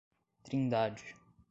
Trindade